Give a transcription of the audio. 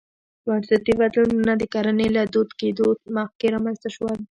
بنسټي بدلونونه د کرنې له دود کېدو مخکې رامنځته شول.